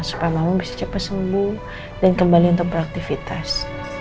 supaya mama bisa cepet sembuh dan kembali untuk proaktifitas